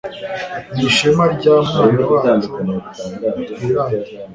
ni ishema rya mwana wacu twirata